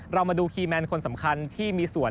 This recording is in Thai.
เรามาดูคีย์แมนคนสำคัญที่มีส่วน